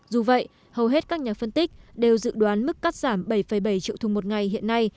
dù vậy hầu hết các nhà phân tích đều dự đoán mức cắt giảm bảy bảy triệu thùng một ngày hiện nay